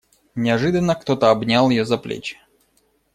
Неожиданно кто-то обнял ее за плечи.